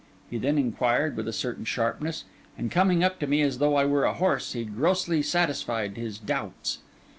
he then inquired with a certain sharpness, and coming up to me, as though I were a horse, he grossly satisfied his doubts.